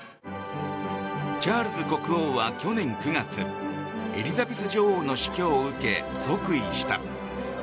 チャールズ国王は去年９月エリザベス女王の死去を受け即位した。